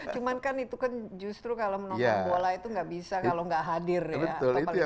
cuman kan itu kan justru kalau menonton bola itu nggak bisa kalau nggak hadir ya